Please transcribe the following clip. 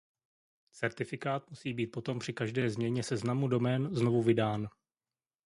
Certifikát musí být potom při každé změně seznamu domén znovu vydán.